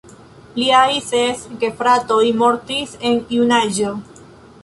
Liaj ses gefratoj mortis en junaĝo.